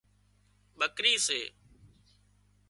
ٻڪرِي سي